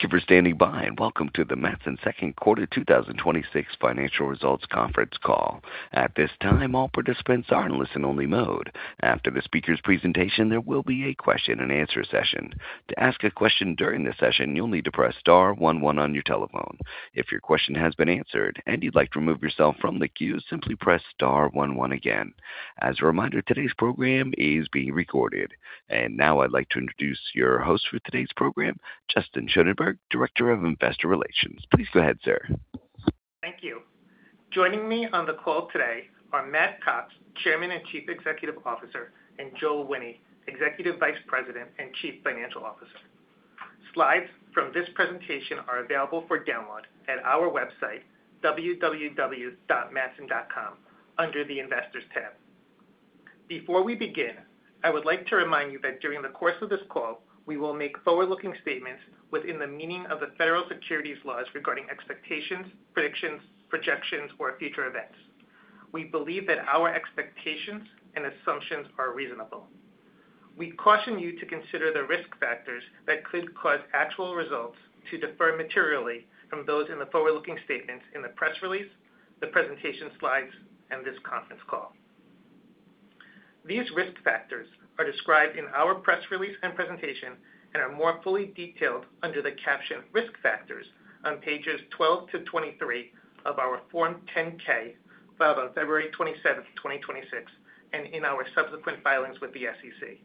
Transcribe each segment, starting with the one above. Thank you for standing by, welcome to the Matson Second Quarter 2026 Financial Results Conference Call. At this time, all participants are in listen-only mode. After the speaker's presentation, there will be a question and answer session. To ask a question during the session, you'll need to press star one one on your telephone. If your question has been answered and you'd like to remove yourself from the queue, simply press star one one again. As a reminder, today's program is being recorded. Now I'd like to introduce your host for today's program, Justin Schoenberg, Director of Investor Relations. Please go ahead, sir. Thank you. Joining me on the call today are Matt Cox, Chairman and Chief Executive Officer, and Joel Wine, Executive Vice President and Chief Financial Officer. Slides from this presentation are available for download at our website, www.matson.com, under the Investors tab. Before we begin, I would like to remind you that during the course of this call, we will make forward-looking statements within the meaning of the federal securities laws regarding expectations, predictions, projections, or future events. We believe that our expectations and assumptions are reasonable. We caution you to consider the risk factors that could cause actual results to differ materially from those in the forward-looking statements in the press release, the presentation slides, and this conference call. These risk factors are described in our press release and presentation and are more fully detailed under the caption Risk Factors on pages 12 to 23 of our Form 10-K filed on February 27th, 2026, in our subsequent filings with the SEC.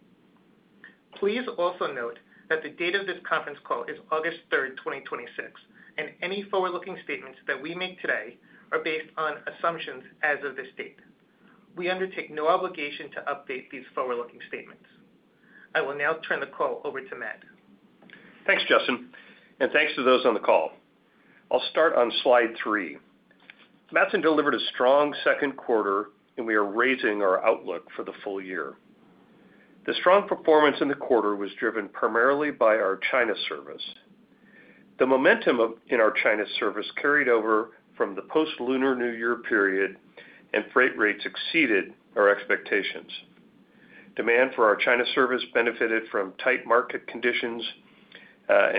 Please also note that the date of this conference call is August 3rd, 2026, any forward-looking statements that we make today are based on assumptions as of this date. We undertake no obligation to update these forward-looking statements. I will now turn the call over to Matt. Thanks, Justin, thanks to those on the call. I'll start on slide three. Matson delivered a strong second quarter, we are raising our outlook for the full-year. The strong performance in the quarter was driven primarily by our China service. The momentum in our China service carried over from the post-Lunar New Year period, freight rates exceeded our expectations. Demand for our China service benefited from tight market conditions,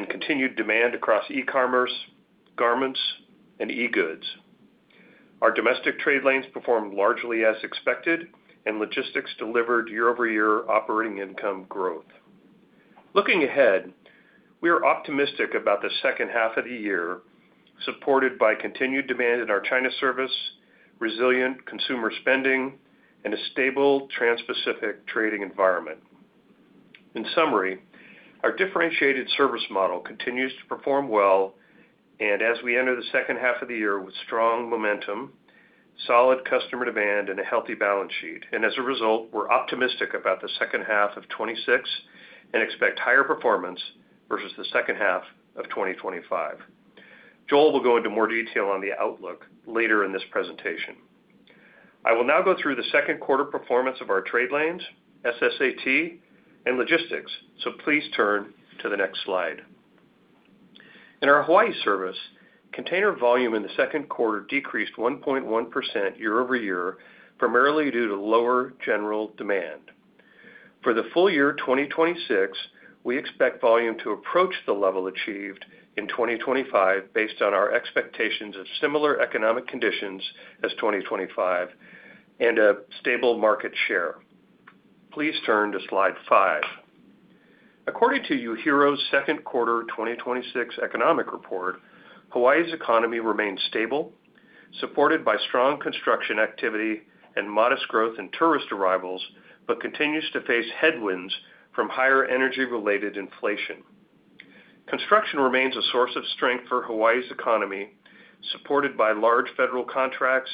continued demand across e-commerce, garments, and e-goods. Our domestic trade lanes performed largely as expected, logistics delivered year-over-year operating income growth. Looking ahead, we are optimistic about the second half of the year, supported by continued demand in our China service, resilient consumer spending, and a stable Trans-Pacific trading environment. In summary, our differentiated service model continues to perform well as we enter the second half of the year with strong momentum, solid customer demand, and a healthy balance sheet. As a result, we're optimistic about the second half of 2026 and expect higher performance versus the second half of 2025. Joel will go into more detail on the outlook later in this presentation. I will now go through the second quarter performance of our trade lanes, SSAT, and logistics. Please turn to the next slide. In our Hawaii service, container volume in the second quarter decreased 1.1% year-over-year, primarily due to lower general demand. For the full-year 2026, we expect volume to approach the level achieved in 2025 based on our expectations of similar economic conditions as 2025 and a stable market share. Please turn to slide five. According to UHERO's second quarter 2026 economic report, Hawaii's economy remains stable, supported by strong construction activity and modest growth in tourist arrivals, continues to face headwinds from higher energy-related inflation. Construction remains a source of strength for Hawaii's economy, supported by large federal contracts,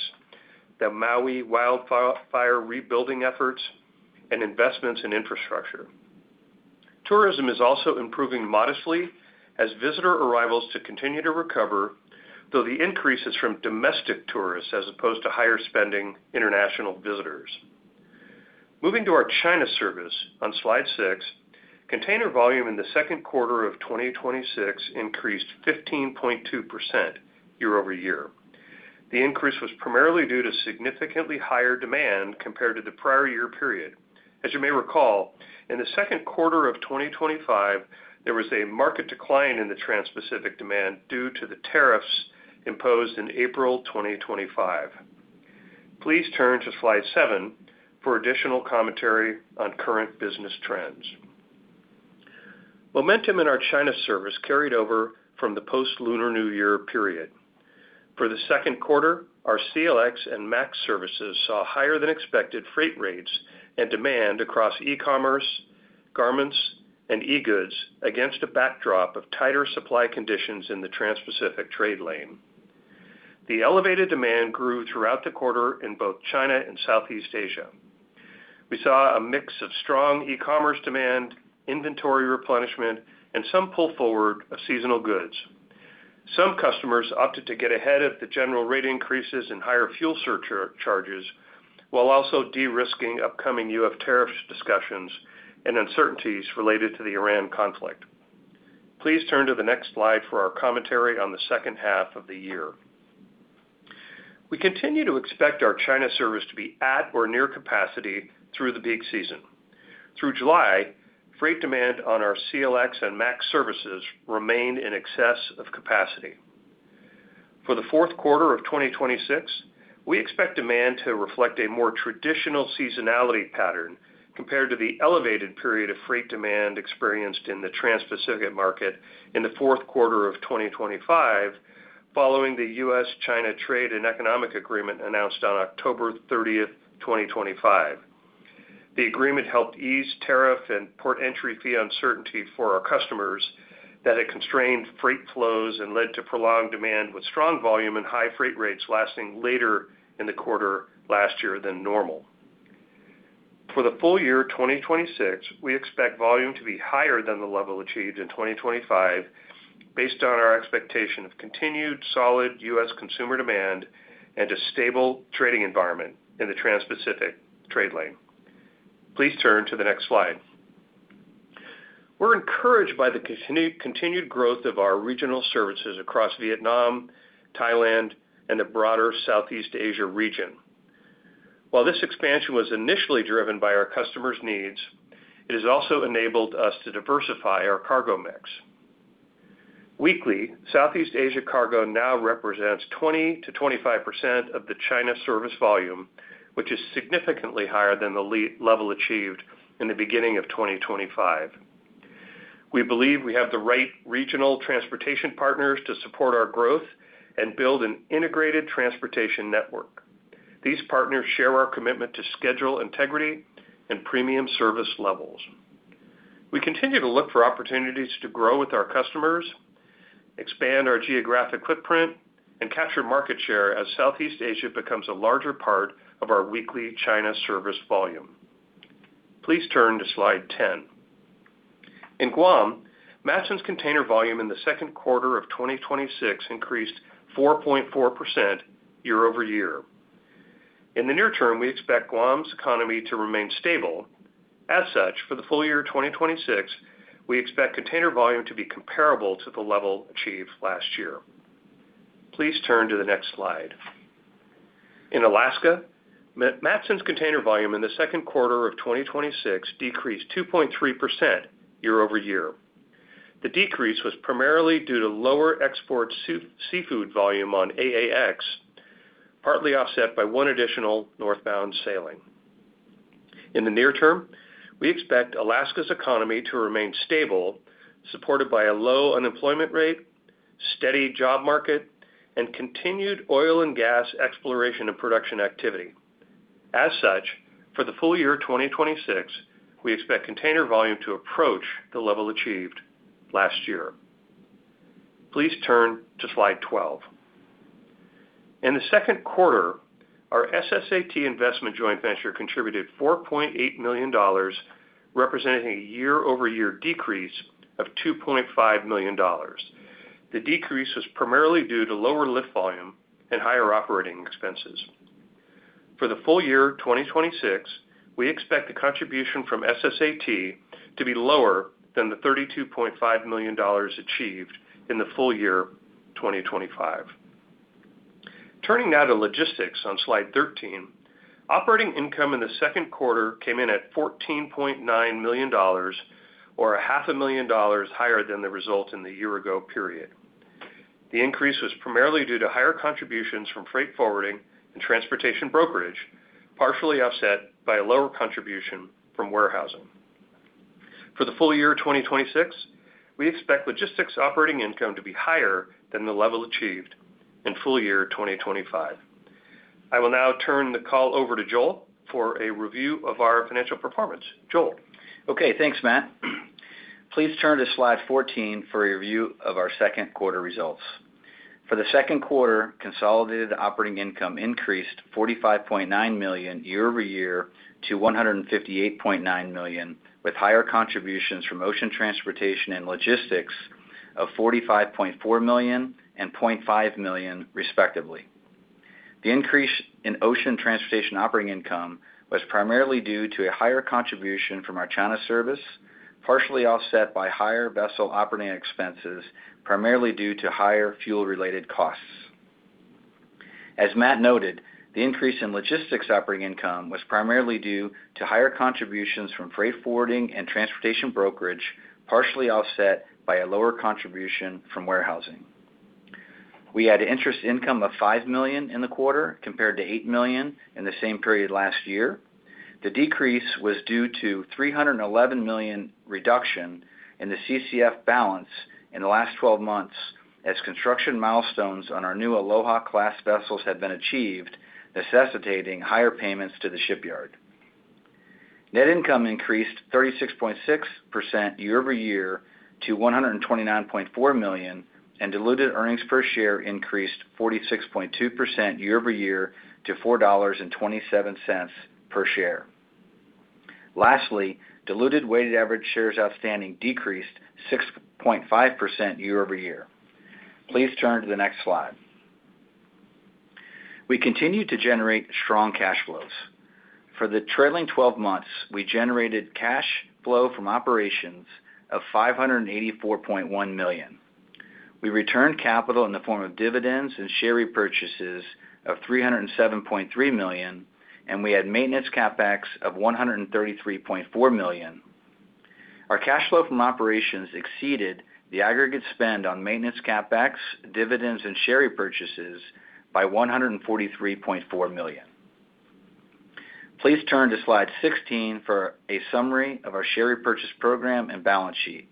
the Maui wildfire rebuilding efforts, and investments in infrastructure. Tourism is also improving modestly as visitor arrivals continue to recover, though the increase is from domestic tourists as opposed to higher-spending international visitors. Moving to our China service on slide six, container volume in the second quarter of 2026 increased 15.2% year-over-year. The increase was primarily due to significantly higher demand compared to the prior year period. As you may recall, in the second quarter of 2025, there was a market decline in the Trans-Pacific demand due to the tariffs imposed in April 2025. Please turn to slide seven for additional commentary on current business trends. Momentum in our China service carried over from the post-Lunar New Year period. For the second quarter, our CLX and MAX services saw higher-than-expected freight rates and demand across e-commerce, garments, and e-goods against a backdrop of tighter supply conditions in the Trans-Pacific trade lane. The elevated demand grew throughout the quarter in both China and Southeast Asia. We saw a mix of strong e-commerce demand, inventory replenishment, and some pull forward of seasonal goods. Some customers opted to get ahead of the general rate increases and higher fuel surcharges while also de-risking upcoming U.S. tariff discussions and uncertainties related to the Iran conflict. Please turn to the next slide for our commentary on the second half of the year. We continue to expect our China service to be at or near capacity through the peak season. Through July, freight demand on our CLX and MAX services remained in excess of capacity. For the fourth quarter of 2026, we expect demand to reflect a more traditional seasonality pattern compared to the elevated period of freight demand experienced in the Trans-Pacific market in the fourth quarter of 2025, following the U.S.-China Trade and Economic Agreement announced on October 30th, 2025. The agreement helped ease tariff and port entry fee uncertainty for our customers that had constrained freight flows and led to prolonged demand with strong volume and high freight rates lasting later in the quarter last year than normal. For the full-year 2026, we expect volume to be higher than the level achieved in 2025, based on our expectation of continued solid U.S. consumer demand and a stable trading environment in the Trans-Pacific trade lane. Please turn to the next slide. We're encouraged by the continued growth of our regional services across Vietnam, Thailand, and the broader Southeast Asia region. While this expansion was initially driven by our customers' needs, it has also enabled us to diversify our cargo mix. Weekly, Southeast Asia cargo now represents 20%-25% of the China service volume, which is significantly higher than the level achieved in the beginning of 2025. We believe we have the right regional transportation partners to support our growth and build an integrated transportation network. These partners share our commitment to schedule integrity and premium service levels. We continue to look for opportunities to grow with our customers, expand our geographic footprint, and capture market share as Southeast Asia becomes a larger part of our weekly China service volume. Please turn to slide 10. In Guam, Matson's container volume in the second quarter of 2026 increased 4.4% year-over-year. In the near term, we expect Guam's economy to remain stable. As such, for the full-year 2026, we expect container volume to be comparable to the level achieved last year. Please turn to the next slide. In Alaska, Matson's container volume in the second quarter of 2026 decreased 2.3% year-over-year. The decrease was primarily due to lower export seafood volume on AAX, partly offset by one additional northbound sailing. In the near term, we expect Alaska's economy to remain stable, supported by a low unemployment rate, steady job market, and continued oil and gas exploration and production activity. As such, for the full-year 2026, we expect container volume to approach the level achieved last year. Please turn to slide 12. In the second quarter, our SSAT investment joint venture contributed $4.8 million, representing a year-over-year decrease of $2.5 million. The decrease was primarily due to lower lift volume and higher operating expenses. For the full-year 2026, we expect the contribution from SSAT to be lower than the $32.5 million achieved in the full-year 2025. Turning now to logistics on slide 13, operating income in the second quarter came in at $14.9 million, or a half a million dollars higher than the result in the year ago period. The increase was primarily due to higher contributions from freight forwarding and transportation brokerage, partially offset by a lower contribution from warehousing. For the full-year 2026, we expect logistics operating income to be higher than the level achieved in full-year 2025. I will now turn the call over to Joel for a review of our financial performance. Joel? Okay, thanks, Matt. Please turn to slide 14 for a review of our second quarter results. For the second quarter, consolidated operating income increased to $45.9 million year-over-year to $158.9 million, with higher contributions from ocean transportation and logistics of $45.4 million and $0.5 million, respectively. The increase in ocean transportation operating income was primarily due to a higher contribution from our China service, partially offset by higher vessel operating expenses, primarily due to higher fuel-related costs. As Matt noted, the increase in logistics operating income was primarily due to higher contributions from freight forwarding and transportation brokerage, partially offset by a lower contribution from warehousing. We had an interest income of $5 million in the quarter, compared to $8 million in the same period last year. The decrease was due to a $311 million reduction in the CCF balance in the last 12 months as construction milestones on our new Aloha Class vessels have been achieved, necessitating higher payments to the shipyard. Diluted earnings per share increased 46.2% year-over-year to $4.27 per share. Net income increased 36.6% year-over-year to $129.4 million. Lastly, diluted weighted average shares outstanding decreased 6.5% year-over-year. Please turn to the next slide. We continue to generate strong cash flows. For the trailing 12 months, we generated cash flow from operations of $584.1 million. We returned capital in the form of dividends and share repurchases of $307.3 million. We had maintenance CapEx of $133.4 million. Our cash flow from operations exceeded the aggregate spend on maintenance CapEx, dividends, and share repurchases by $143.4 million. Please turn to Slide 16 for a summary of our share repurchase program and balance sheet.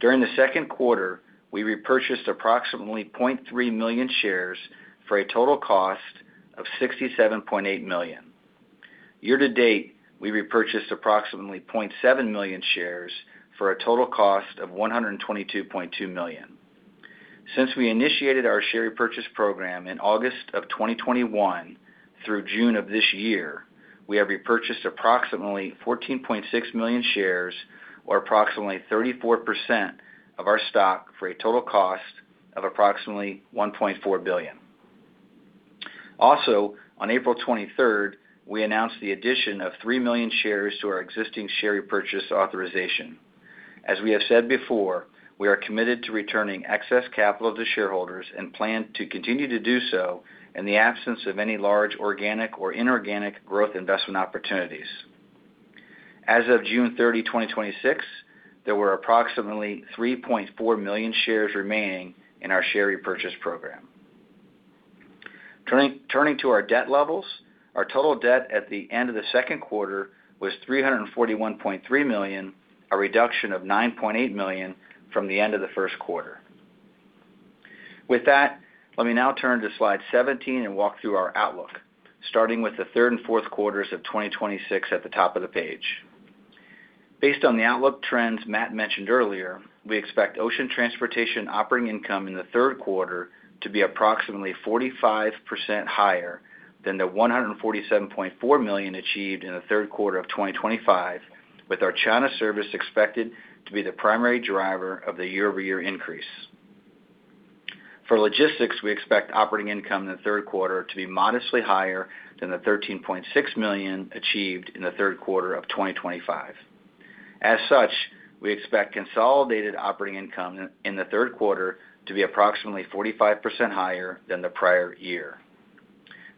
During the second quarter, we repurchased approximately 0.3 million shares for a total cost of $67.8 million. Year-to-date, we repurchased approximately 0.7 million shares for a total cost of $122.2 million. Since we initiated our share repurchase program in August of 2021, through June of this year, we have repurchased approximately 14.6 million shares or approximately 34% of our stock for a total cost of approximately $1.4 billion. On April 23rd, we announced the addition of three million shares to our existing share repurchase authorization. As we have said before, we are committed to returning excess capital to shareholders and plan to continue to do so in the absence of any large organic or inorganic growth investment opportunities. As of June 30th, 2026, there were approximately 3.4 million shares remaining in our share repurchase program. Turning to our debt levels, our total debt at the end of the second quarter was $341.3 million, a reduction of $9.8 million from the end of the first quarter. With that, let me now turn to Slide 17 and walk through our outlook, starting with the third and fourth quarters of 2026 at the top of the page. Based on the outlook trends Matt mentioned earlier, we expect ocean transportation operating income in the third quarter to be approximately 45% higher than the $147.4 million achieved in the third quarter of 2025, with our China service expected to be the primary driver of the year-over-year increase. For logistics, we expect operating income in the third quarter to be modestly higher than the $13.6 million achieved in the third quarter of 2025. We expect consolidated operating income in the third quarter to be approximately 45% higher than the prior year.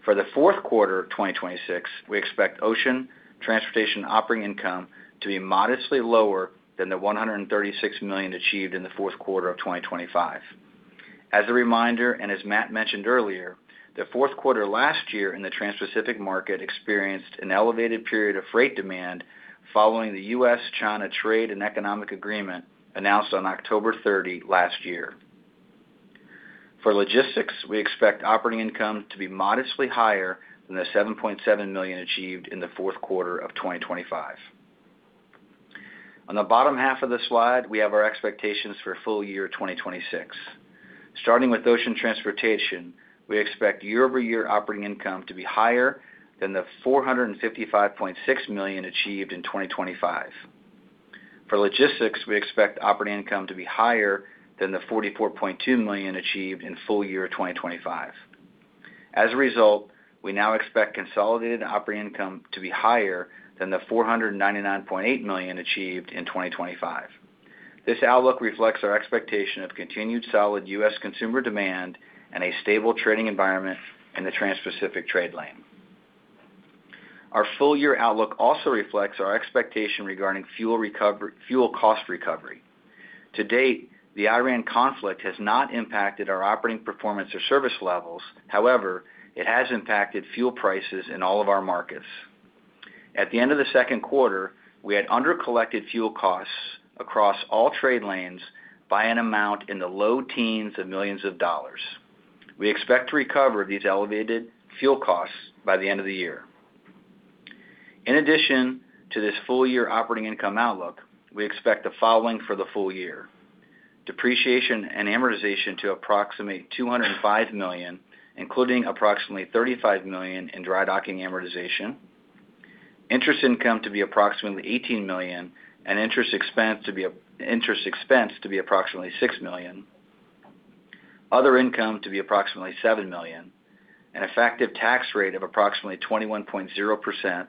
For the fourth quarter of 2026, we expect ocean transportation operating income to be modestly lower than the $136 million achieved in the fourth quarter of 2025. As a reminder, as Matt mentioned earlier, the fourth quarter last year in the Transpacific market experienced an elevated period of freight demand following the U.S.-China Phase One Trade Agreement announced on October 30 last year. For logistics, we expect operating income to be modestly higher than the $7.7 million achieved in the fourth quarter of 2025. On the bottom half of the slide, we have our expectations for full-year 2026. Starting with ocean transportation, we expect year-over-year operating income to be higher than the $455.6 million achieved in 2025. For logistics, we expect operating income to be higher than the $44.2 million achieved in full-year 2025. As a result, we now expect consolidated operating income to be higher than the $499.8 million achieved in 2025. This outlook reflects our expectation of continued solid U.S. consumer demand and a stable trading environment in the Transpacific trade lane. Our full-year outlook also reflects our expectation regarding fuel cost recovery. To date, the Iran conflict has not impacted our operating performance or service levels. However, it has impacted fuel prices in all of our markets. At the end of the second quarter, we had under-collected fuel costs across all trade lanes by an amount in the low teens of millions of dollars. We expect to recover these elevated fuel costs by the end of the year. In addition to this full-year operating income outlook, we expect the following for the full-year. Depreciation and amortization to approximate $205 million, including approximately $35 million in dry-docking amortization. Interest income to be approximately $18 million, and interest expense to be approximately $6 million. Other income to be approximately $7 million. An effective tax rate of approximately 21.0%,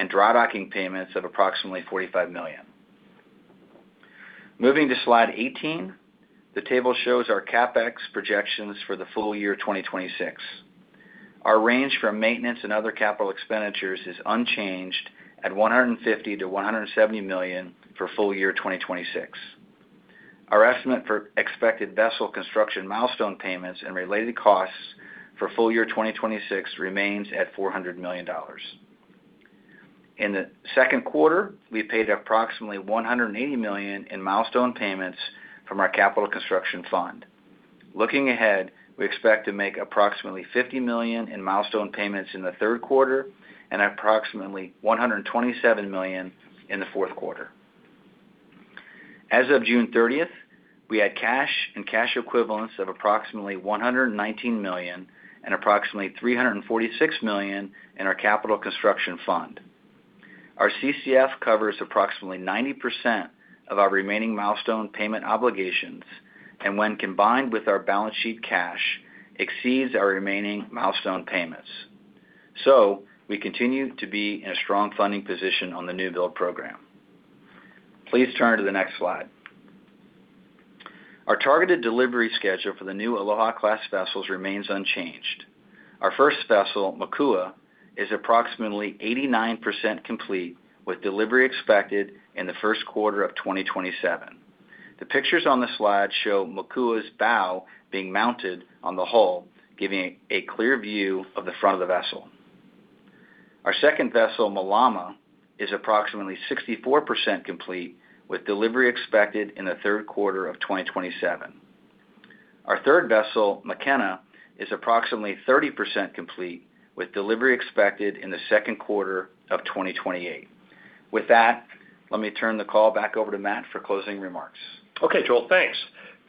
and dry-docking payments of approximately $45 million. Moving to Slide 18, the table shows our CapEx projections for the full-year 2026. Our range for maintenance and other capital expenditures is unchanged at $150 million-$170 million for full-year 2026. Our estimate for expected vessel construction milestone payments and related costs for full-year 2026 remains at $400 million. In the second quarter, we paid approximately $180 million in milestone payments from our Capital Construction Fund. Looking ahead, we expect to make approximately $50 million in milestone payments in the third quarter and approximately $127 million in the fourth quarter. As of June 30th, we had cash and cash equivalents of approximately $119 million and approximately $346 million in our Capital Construction Fund. Our CCF covers approximately 90% of our remaining milestone payment obligations, and when combined with our balance sheet cash, exceeds our remaining milestone payments. We continue to be in a strong funding position on the newbuild program. Please turn to the next slide. Our targeted delivery schedule for the new Aloha Class vessels remains unchanged. Our first vessel, Makua, is approximately 89% complete, with delivery expected in the first quarter of 2027. The pictures on the slide show Makua's bow being mounted on the hull, giving a clear view of the front of the vessel. Our second vessel, Malama, is approximately 64% complete, with delivery expected in the third quarter of 2027. Our third vessel, Makena, is approximately 30% complete, with delivery expected in the second quarter of 2028. With that, let me turn the call back over to Matt for closing remarks. Okay, Joel, thanks.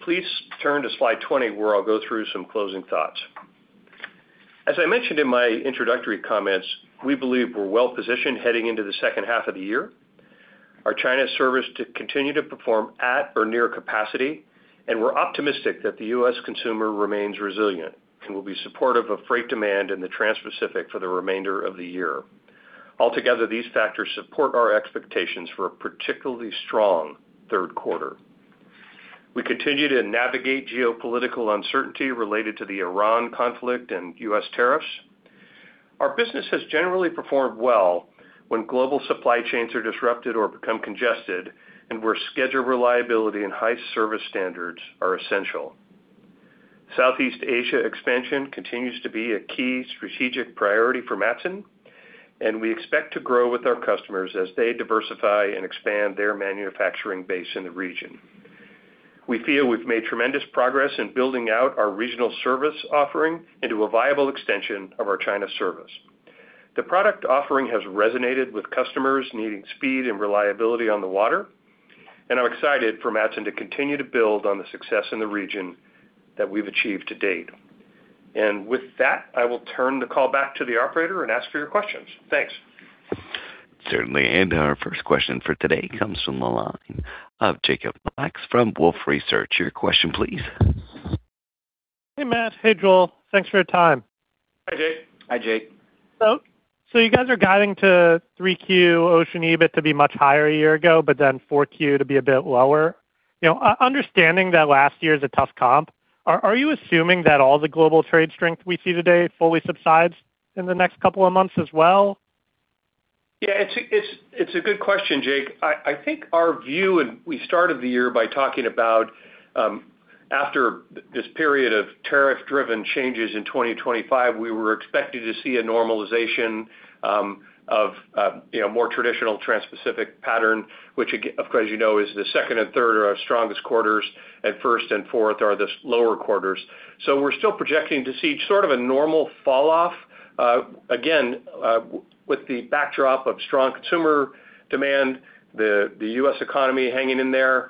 Please turn to slide 20, where I'll go through some closing thoughts. As I mentioned in my introductory comments, we believe we're well-positioned heading into the second half of the year. Our China service continue to perform at or near capacity, and we're optimistic that the U.S. consumer remains resilient and will be supportive of freight demand in the Transpacific for the remainder of the year. Altogether, these factors support our expectations for a particularly strong third quarter. We continue to navigate geopolitical uncertainty related to the Iran conflict and U.S. tariffs. Our business has generally performed well when global supply chains are disrupted or become congested, and where schedule reliability and high service standards are essential. Southeast Asia expansion continues to be a key strategic priority for Matson, and we expect to grow with our customers as they diversify and expand their manufacturing base in the region. We feel we've made tremendous progress in building out our regional service offering into a viable extension of our China service. The product offering has resonated with customers needing speed and reliability on the water. I'm excited for Matson to continue to build on the success in the region that we've achieved to date. With that, I will turn the call back to the operator and ask for your questions. Thanks. Certainly. Our first question for today comes from the line of Jacob Lacks from Wolfe Research. Your question, please. Hey, Matt. Hey, Joel. Thanks for your time. Hi, Jake. Hi, Jake. You guys are guiding to 3Q ocean EBIT to be much higher a year ago, but then 4Q to be a bit lower. Understanding that last year is a tough comp, are you assuming that all the global trade strength we see today fully subsides in the next couple of months as well? Yeah, it's a good question, Jake. I think our view, and we started the year by talking about after this period of tariff-driven changes in 2025, we were expecting to see a normalization of more traditional Transpacific pattern, which, of course, as you know, is the second and third are our strongest quarters, and first and fourth are the lower quarters. We're still projecting to see sort of a normal fall off. Again, with the backdrop of strong consumer demand, the U.S. economy hanging in there.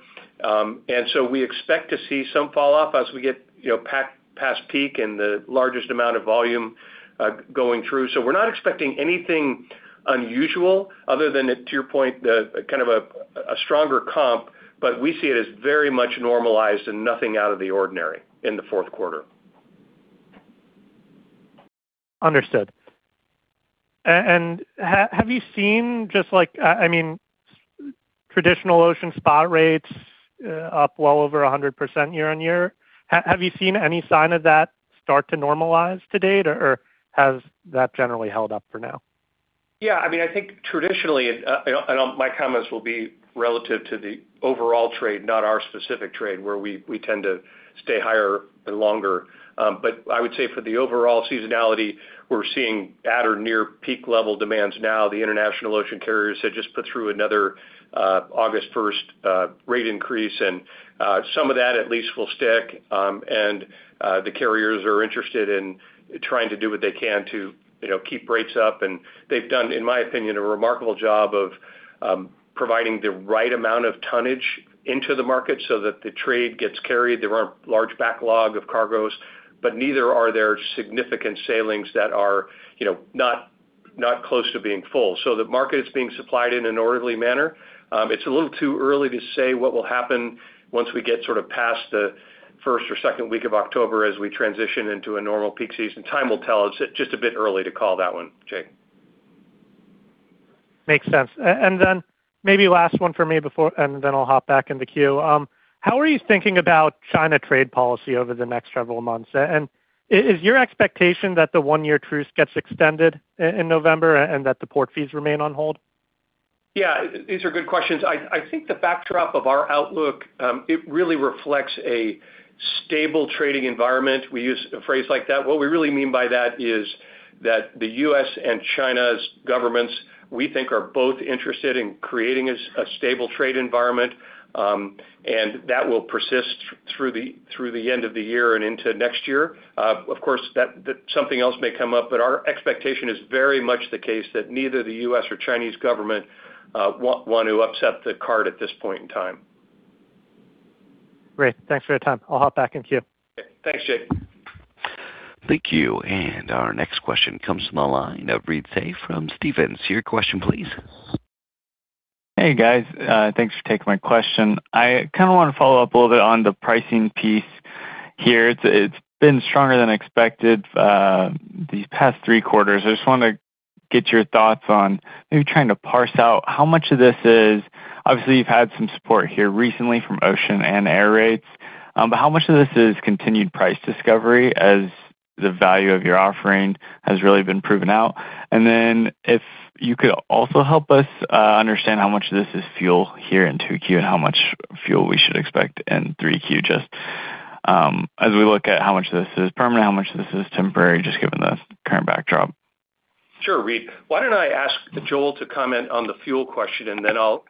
We expect to see some fall off as we get past peak and the largest amount of volume going through. We're not expecting anything unusual other than, to your point, kind of a stronger comp, but we see it as very much normalized and nothing out of the ordinary in the fourth quarter. Understood. Have you seen traditional ocean spot rates up well over 100% year-on-year? Have you seen any sign of that start to normalize to date, or has that generally held up for now? Yeah. I think traditionally, my comments will be relative to the overall trade, not our specific trade, where we tend to stay higher and longer. I would say for the overall seasonality, we're seeing at or near peak level demands now. The international ocean carriers had just put through another August 1st rate increase, some of that at least will stick. The carriers are interested in trying to do what they can to keep rates up. They've done, in my opinion, a remarkable job of providing the right amount of tonnage into the market so that the trade gets carried. There aren't large backlog of cargoes, but neither are there significant sailings that are not close to being full. The market is being supplied in an orderly manner. It's a little too early to say what will happen once we get sort of past the first or second week of October as we transition into a normal peak season. Time will tell. It's just a bit early to call that one, Jake. Makes sense. Maybe last one for me, I'll hop back in the queue. How are you thinking about China trade policy over the next several months? Is your expectation that the one-year truce gets extended in November and that the port fees remain on hold? Yeah. These are good questions. I think the backdrop of our outlook, it really reflects a stable trading environment. We use a phrase like that. What we really mean by that is that the U.S. and China's governments, we think, are both interested in creating a stable trade environment, and that will persist through the end of the year and into next year. Of course, something else may come up, but our expectation is very much the case that neither the U.S. or Chinese government want to upset the cart at this point in time. Great. Thanks for your time. I'll hop back in queue. Okay. Thanks, Jake. Thank you. Our next question comes from the line of Reed Seay from Stephens. Your question please. Hey, guys. Thanks for taking my question. I want to follow up a little bit on the pricing piece here. It's been stronger than expected these past three quarters. I just wanted to get your thoughts on maybe trying to parse out how much of this is, obviously, you've had some support here recently from ocean and air rates. How much of this is continued price discovery as the value of your offering has really been proven out? If you could also help us understand how much of this is fuel here in 2Q and how much fuel we should expect in 3Q just as we look at how much of this is permanent, how much of this is temporary, just given the current backdrop. Sure, Reed. Why don't I ask Joel to comment on the fuel question, and then I'll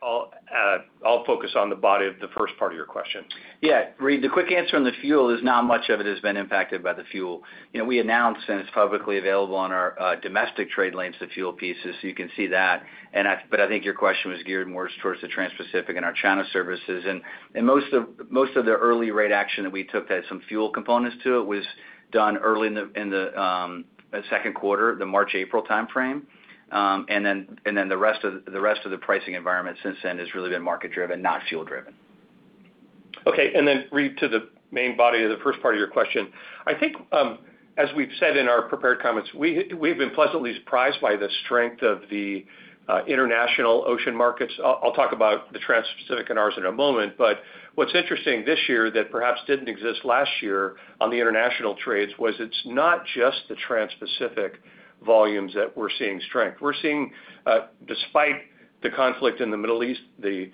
focus on the body of the first part of your question. Yeah. Reed, the quick answer on the fuel is not much of it has been impacted by the fuel. We announced, and it's publicly available on our domestic trade lanes, the fuel pieces, so you can see that. I think your question was geared more towards the Transpacific and our China services. Most of the early rate action that we took that had some fuel components to it was done early in the second quarter, the March/April timeframe. The rest of the pricing environment since then has really been market-driven, not fuel-driven. Okay. Reed, to the main body of the first part of your question. I think as we've said in our prepared comments, we've been pleasantly surprised by the strength of the international ocean markets. I'll talk about the Transpacific and ours in a moment, but what's interesting this year that perhaps didn't exist last year on the international trades was it's not just the Transpacific volumes that we're seeing strength. We're seeing, despite the conflict in the Middle East, the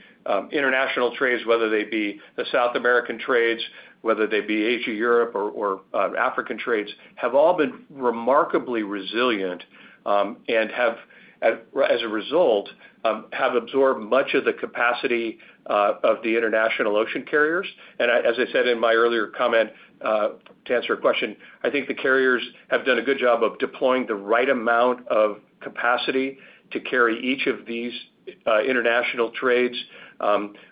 international trades, whether they be the South American trades, whether they be Asia, Europe or African trades, have all been remarkably resilient, and as a result, have absorbed much of the capacity of the international ocean carriers. As I said in my earlier comment, to answer a question, I think the carriers have done a good job of deploying the right amount of capacity to carry each of these international trades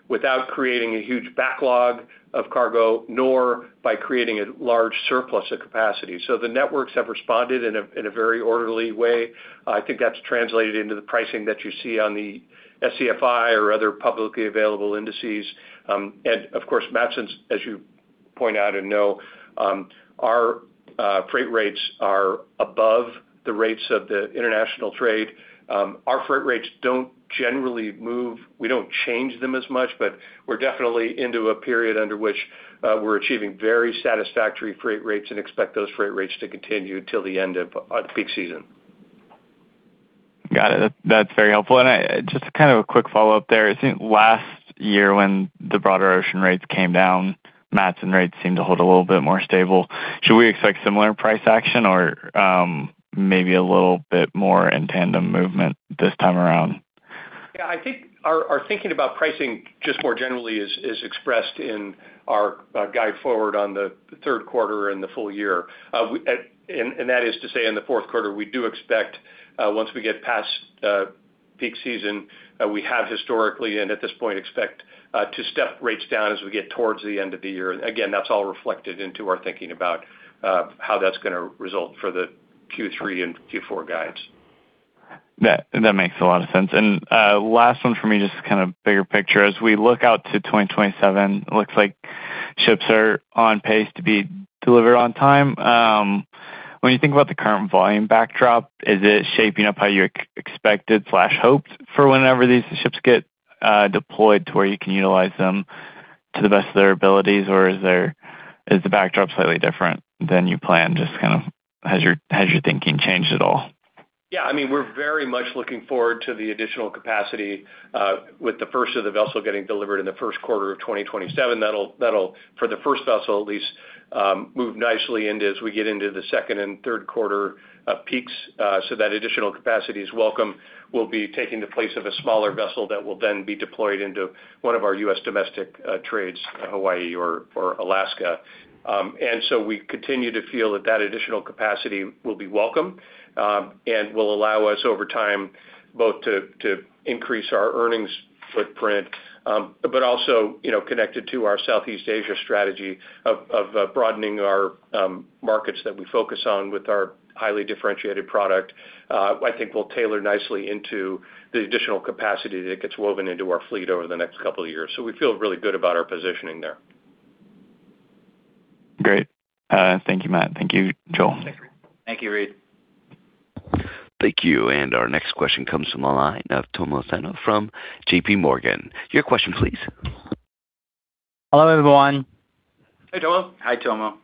without creating a huge backlog of cargo, nor by creating a large surplus of capacity. The networks have responded in a very orderly way. I think that's translated into the pricing that you see on the SCFI or other publicly available indices. Of course, Matson's, as you point out and know, our freight rates are above the rates of the international trade. Our freight rates don't generally move. We don't change them as much, but we're definitely into a period under which we're achieving very satisfactory freight rates and expect those freight rates to continue until the end of peak season. Got it. That's very helpful. Just a quick follow-up there. I think last year when the broader ocean rates came down, Matson rates seemed to hold a little bit more stable. Should we expect similar price action or maybe a little bit more in tandem movement this time around? Yeah, I think our thinking about pricing just more generally is expressed in our guide forward on the third quarter and the full-year. That is to say, in the fourth quarter, we do expect, once we get past peak season, we have historically and at this point expect to step rates down as we get towards the end of the year. Again, that's all reflected into our thinking about how that's going to result for the Q3 and Q4 guides. That makes a lot of sense. Last one from me, just kind of bigger picture. As we look out to 2027, looks like ships are on pace to be delivered on time. When you think about the current volume backdrop, is it shaping up how you expected/hoped for whenever these ships get deployed to where you can utilize them to the best of their abilities, or is the backdrop slightly different than you planned? Just has your thinking changed at all? We're very much looking forward to the additional capacity with the first of the vessels getting delivered in the first quarter of 2027. That'll, for the first vessel at least, move nicely as we get into the second and third quarter peaks. That additional capacity is welcome. We'll be taking the place of a smaller vessel that will then be deployed into one of our U.S. domestic trades, Hawaii or Alaska. We continue to feel that that additional capacity will be welcome, and will allow us over time both to increase our earnings footprint. Also connected to our Southeast Asia strategy of broadening our markets that we focus on with our highly differentiated product I think will tailor nicely into the additional capacity that gets woven into our fleet over the next couple of years. We feel really good about our positioning there. Great. Thank you, Matt. Thank you, Joel. Thank you. Thank you, Reed. Thank you. Our next question comes from the line of Tomo Sano from JPMorgan. Your question please. Hello, everyone. Hey, Tomo. Hi, Tomo.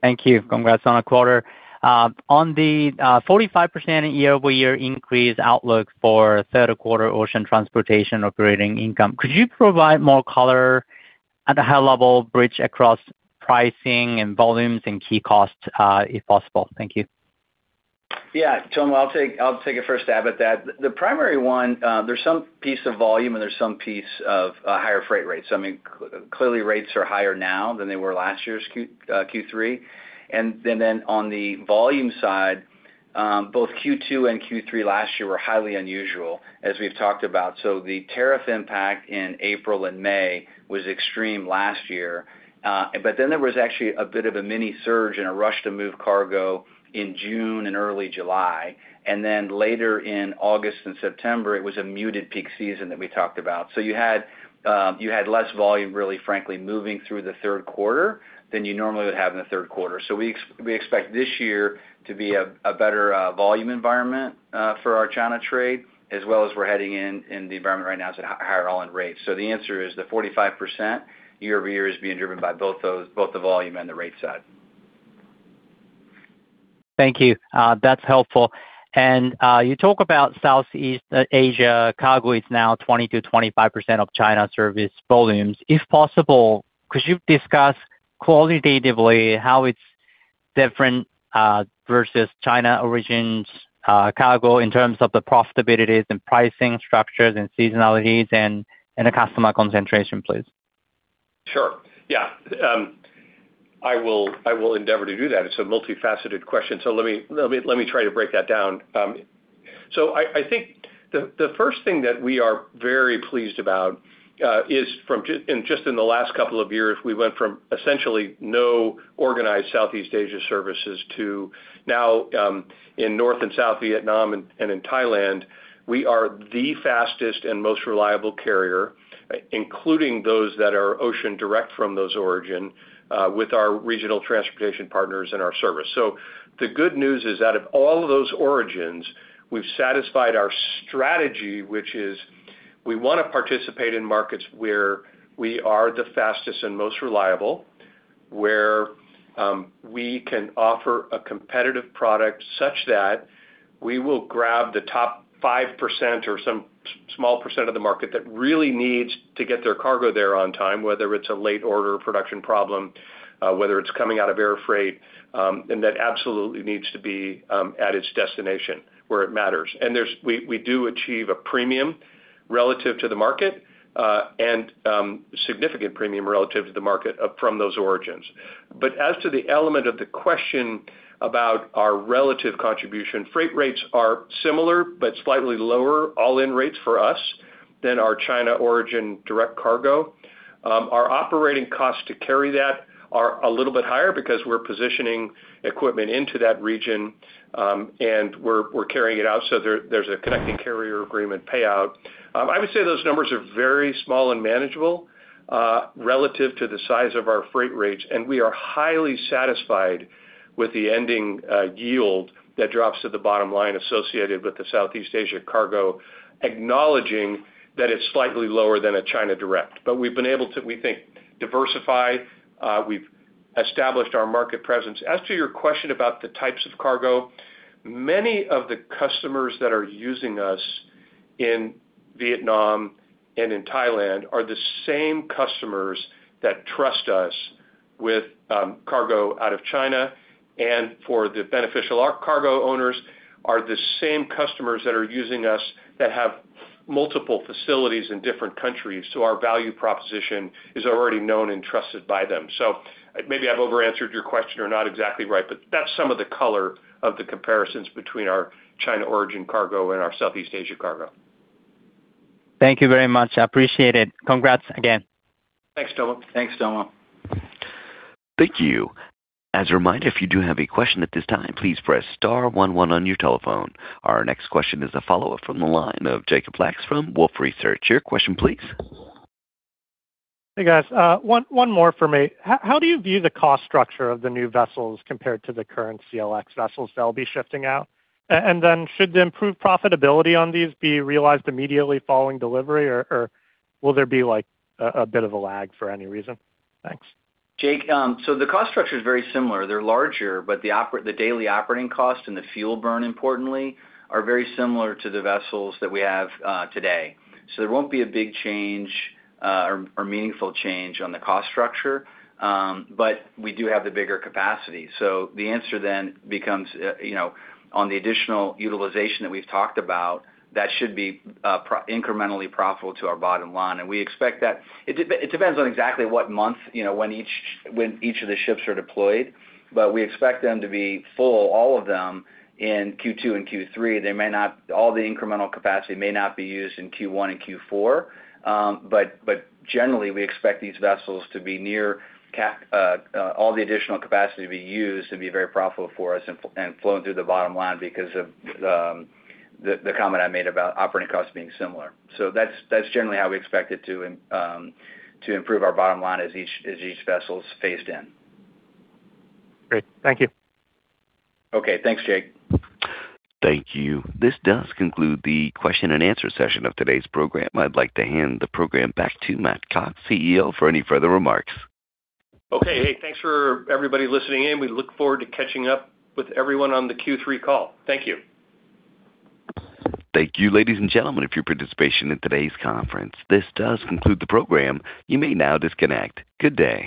Thank you. Congrats on the quarter. On the 45% year-over-year increase outlook for third quarter ocean transportation operating income, could you provide more color at a high level bridge across pricing and volumes and key costs, if possible? Thank you. Yeah, Tom, I'll take a first stab at that. The primary one, there's some piece of volume and there's some piece of higher freight rates. Clearly rates are higher now than they were last year's Q3. On the volume side, both Q2 and Q3 last year were highly unusual, as we've talked about. The tariff impact in April and May was extreme last year. There was actually a bit of a mini surge and a rush to move cargo in June and early July. Later in August and September, it was a muted peak season that we talked about. You had less volume, really, frankly, moving through the third quarter than you normally would have in the third quarter. We expect this year to be a better volume environment for our China trade, as well as we're heading in the environment right now is at higher all-in rates. The answer is the 45% year-over-year is being driven by both the volume and the rate side. Thank you. That's helpful. You talk about Southeast Asia cargo is now 20%-25% of China service volumes. If possible, could you discuss qualitatively how it's different, versus China origins cargo in terms of the profitabilities and pricing structures and seasonalities and the customer concentration, please? Sure. Yeah. I will endeavor to do that. It's a multifaceted question. Let me try to break that down. I think the first thing that we are very pleased about is from, just in the last couple of years, we went from essentially no organized Southeast Asia services to now, in North and South Vietnam and in Thailand, we are the fastest and most reliable carrier, including those that are ocean direct from those origin, with our regional transportation partners and our service. The good news is, out of all of those origins, we've satisfied our strategy, which is we want to participate in markets where we are the fastest and most reliable, where we can offer a competitive product such that we will grab the top 5% or some small percent of the market that really needs to get their cargo there on time, whether it's a late order production problem, whether it's coming out of air freight, and that absolutely needs to be at its destination where it matters. We do achieve a premium relative to the market, and significant premium relative to the market from those origins. As to the element of the question about our relative contribution, freight rates are similar, but slightly lower all-in rates for us than our China origin direct cargo. Our operating costs to carry that are a little bit higher because we're positioning equipment into that region, and we're carrying it out, so there's a connecting carrier agreement payout. I would say those numbers are very small and manageable, relative to the size of our freight rates, and we are highly satisfied with the ending yield that drops to the bottom line associated with the Southeast Asia cargo, acknowledging that it's slightly lower than a China direct. We've been able to, we think, diversify, we've established our market presence. As to your question about the types of cargo, many of the customers that are using us in Vietnam and in Thailand are the same customers that trust us with cargo out of China. For the beneficial of our cargo owners are the same customers that are using us that have multiple facilities in different countries, so our value proposition is already known and trusted by them. Maybe I've over answered your question or not exactly right, but that's some of the color of the comparisons between our China origin cargo and our Southeast Asia cargo. Thank you very much. I appreciate it. Congrats again. Thanks, Tomo. Thanks, Tomo. Thank you. As a reminder, if you do have a question at this time, please press star one one on your telephone. Our next question is a follow-up from the line of Jacob Lacks from Wolfe Research. Your question please. Hey, guys. One more for me. How do you view the cost structure of the new vessels compared to the current CLX vessels that will be shifting out? Should the improved profitability on these be realized immediately following delivery or will there be a bit of a lag for any reason? Thanks. Jake, the cost structure is very similar. They're larger, the daily operating cost and the fuel burn, importantly, are very similar to the vessels that we have today. There won't be a big change, or meaningful change on the cost structure, but we do have the bigger capacity. The answer then becomes on the additional utilization that we've talked about, that should be incrementally profitable to our bottom line, and we expect that. It depends on exactly what month, when each of the ships are deployed. We expect them to be full, all of them, in Q2 and Q3. All the incremental capacity may not be used in Q1 and Q4. Generally, we expect these vessels to be near cap, all the additional capacity to be used and be very profitable for us and flowing through the bottom line because of the comment I made about operating costs being similar. That's generally how we expect it to improve our bottom line as each vessel is phased in. Great. Thank you. Okay. Thanks, Jake. Thank you. This does conclude the question and answer session of today's program. I'd like to hand the program back to Matt Cox, CEO, for any further remarks. Okay. Hey, thanks for everybody listening in. We look forward to catching up with everyone on the Q3 call. Thank you. Thank you, ladies and gentlemen for your participation in today's conference. This does conclude the program. You may now disconnect. Good day.